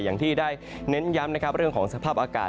อย่างที่ได้เน้นย้ำนะครับเรื่องของสภาพอากาศ